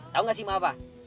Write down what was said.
tau gak sim apa